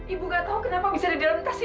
ibu nggak tahu kenapa bisa ada di dalam tas itu